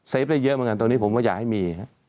เซฟต์ได้เยอะเหมือนกันตอนนี้ผมก็อย่าให้มี